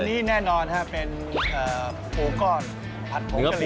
อันนี้แน่นอนฮะเป็นปูก้อนผัดโผงกะลี